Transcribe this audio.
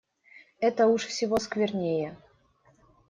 Это уж всего сквернее!